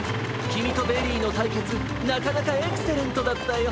きみとベリーのたいけつなかなかエクセレントだったよ！